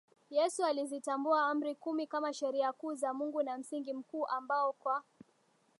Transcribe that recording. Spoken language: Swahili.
Yesu alizitambua Amri kumi kama sheria kuu za Mungu na msingi Mkuu ambao kwa